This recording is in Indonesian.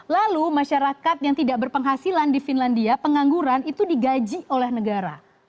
lalu masyarakat yang tidak berpenghasilan di finlandia pengangguran itu digaji oleh negara